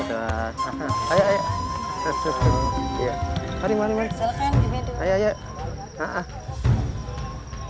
tak lama lagi aku akan mencoburnakan ilmu